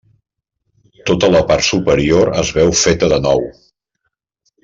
Tota la part superior es veu feta de nou.